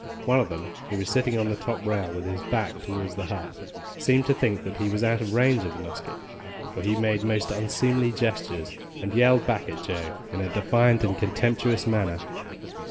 One of them, who was sitting on the top rail with his back towards the hut, seemed to think that he was out of range of the musket, for he made most unseemly gestures, and yelled back at Joe in a defiant and contemptuous manner.